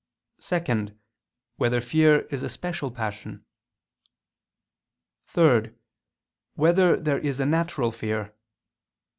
(2) Whether fear is a special passion? (3) Whether there is a natural fear?